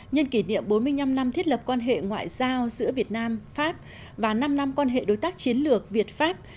nhân kỷ niệm bốn mươi năm năm thiết lập quan hệ ngoại giao giữa việt nam pháp và năm năm quan hệ đối tác chiến lược việt pháp